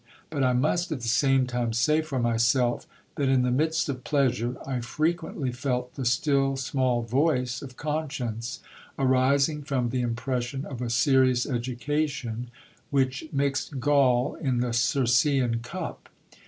But I must at the same time say for myself, that in the midst of pleasure I frequently felt the still small voice of conscience, arising from the impression of a serious education, which mixed gall in the Circean cup.